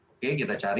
oke kita cari